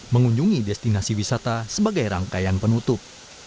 mengunjungi destinasi wisata sebagai rangkaian penutup